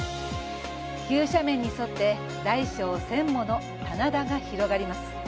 急斜面に沿って大小１０００もの棚田が広がります。